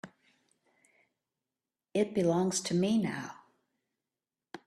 It belongs to me now.